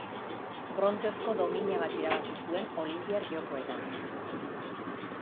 Brontzezko domina bat irabazi zuen Olinpiar Jokoetan.